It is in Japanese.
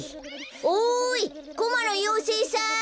おいコマのようせいさん！